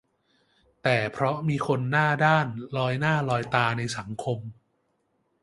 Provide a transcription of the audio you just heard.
แต่เพราะมีคนหน้าด้านลอยหน้าลอยตาในสังคม